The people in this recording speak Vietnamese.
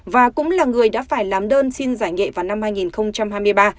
và cũng là người đã phải làm đơn xin giải nghệ vào năm hai nghìn hai mươi ba